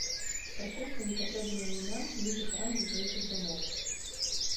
Паркоўка не патрэбная ні нам, ні жыхарам бліжэйшых дамоў.